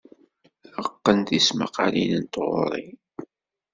Qqen tismaqqalin-nnem n tɣuri.